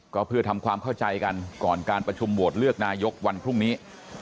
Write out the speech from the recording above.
ก็เพื่อทำความเข้าใจกันก่อนการประชุมโหวตเลือกนายกวันพรุ่งนี้